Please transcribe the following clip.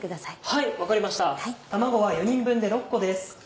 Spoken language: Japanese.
はい分かりました卵は４人分で６個です。